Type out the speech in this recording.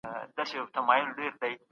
مينه د کرکې نه قوي ده.